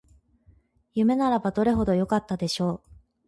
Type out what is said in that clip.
夢ならばどれほどよかったでしょう